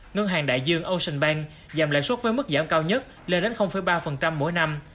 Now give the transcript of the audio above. ngân hàng đại dương ocean bank giảm lãi suất với mức giảm cao nhất lên đến ba mỗi năm